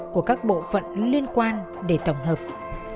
của các bộ phận liên quan để tổng hợp phân tích